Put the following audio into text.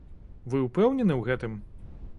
Вы ўпэўнены ў гэтым?